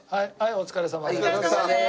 お疲れさまです！